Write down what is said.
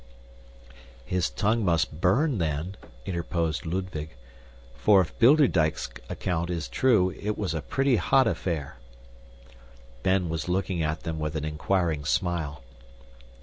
"His tongue must burn, then," interposed Ludwig, "for if Bilderdyk's account is true, it was a pretty hot affair." Ben was looking at them with an inquiring smile.